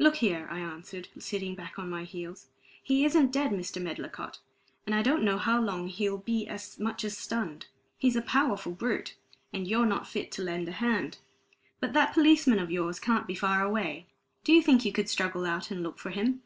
"Look here," I answered, sitting back on my heels. "He isn't dead, Mr. Medlicott, and I don't know how long he'll be as much as stunned. He's a powerful brute, and you're not fit to lend a hand. But that policeman of yours can't be far away. Do you think you could struggle out and look for him?"